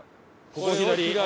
ここ左？